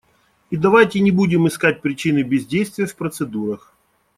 И давайте не будем искать причины бездействия в процедурах.